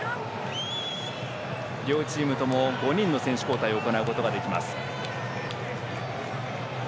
両チームとも５人の選手交代を行うことができます。